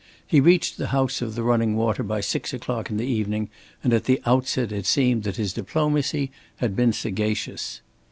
He reached the house of the Running Water by six o'clock in the evening; and at the outset it seemed that his diplomacy had been sagacious.